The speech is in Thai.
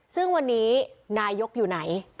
ซึ่งวันนี้นายกอยู่ไหน